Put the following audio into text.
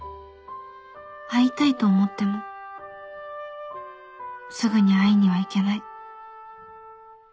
会いたいと思ってもすぐに会いには行けない